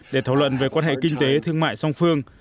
để thảo luận về quan hệ kinh tế thương mại song phương